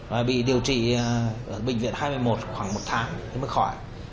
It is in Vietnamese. và bị điều trị ở bệnh viện hai mươi một khoảng một tháng mới khỏi